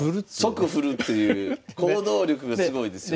即振るっていう行動力がすごいですよね。